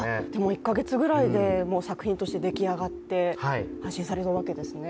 １か月ぐらいでもう、作品としてできあがって、配信されるわけですね。